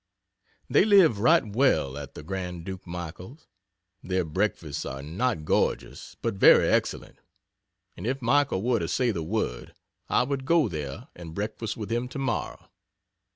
They live right well at the Grand Duke Michael's their breakfasts are not gorgeous but very excellent and if Mike were to say the word I would go there and breakfast with him tomorrow.